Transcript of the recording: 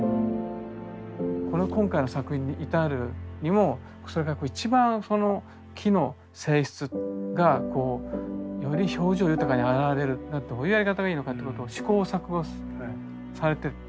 この今回の作品に至るにも一番その木の性質がより表情豊かに現れるにはどういうやり方がいいのかということを試行錯誤されてる？